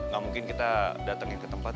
gak mungkin kita datengin ke tempat